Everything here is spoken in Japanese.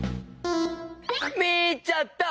みちゃった！